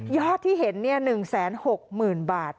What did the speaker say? ยอดที่เห็นเนี่ย๑๖๐๐๐๐๐บาท